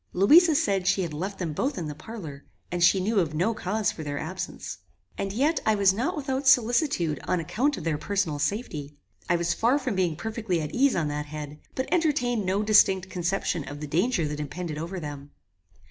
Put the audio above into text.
Louisa said she had left them both in the parlour, and she knew of no cause for their absence. As yet I was not without solicitude on account of their personal safety. I was far from being perfectly at ease on that head, but entertained no distinct conception of the danger that impended over them.